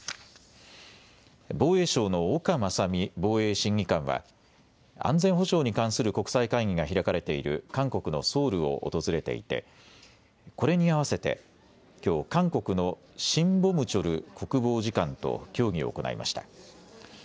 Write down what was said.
防衛省の岡真臣防衛審議官は安全保障に関する国際会議が開かれている韓国のソウルを訪れていてこれに合わせてきょう韓国のシン・ボムチョル国防次官と協議を行いました。